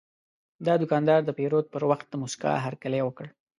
دا دوکاندار د پیرود پر وخت د موسکا هرکلی وکړ.